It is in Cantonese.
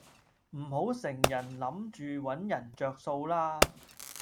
唔好成人諗住搵人着數啦